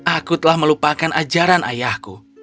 aku telah melupakan ajaran ayahku